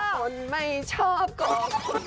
คนไม่ชอบกลัวคุณ